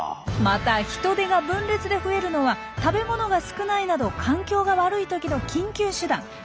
またヒトデが分裂で増えるのは食べものが少ないなど環境が悪いときの緊急手段。